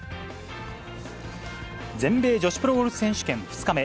全米女子プロゴルフ選手権、２日目。